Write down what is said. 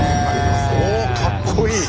おおっかっこいい。